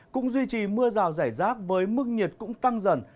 cũng duy trì mưa rào rải rác với mức nhiệt cũng tăng dần